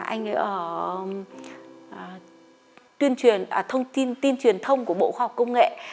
anh ấy ở tin truyền thông của bộ khoa học công nghệ